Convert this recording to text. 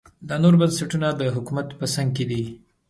دا نور بنسټونه د حکومت په څنګ دي.